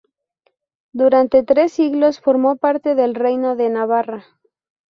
Durante tres siglos formó parte del Reino de Navarra.